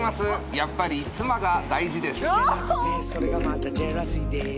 やっぱり「ツマ」が大事です。